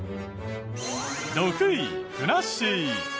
６位ふなっしー。